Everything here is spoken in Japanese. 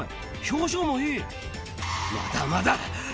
まだまだ。